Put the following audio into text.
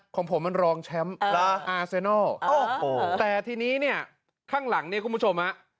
ของผมมันรองแชมป์อาเซนัลแต่ทีนี้เนี่ยข้างหลังเนี่ยคุณผู้ชมฮะ